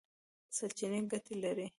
سرچینې ګټې لري.